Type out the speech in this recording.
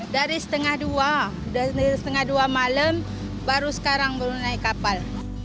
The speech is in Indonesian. dari setengah dua setengah dua malam baru sekarang baru naik kapal